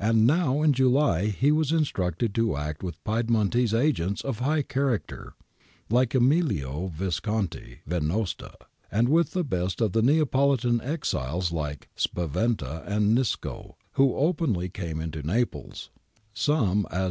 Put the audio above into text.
And now in July he was instructed to act with Piedmontese agents of high character like Emilio Visconti Venosta, and with the best of the Neapolitan exiles like Spaventa and Nisco, who openly came into Naples, some ■ Chiala, iii.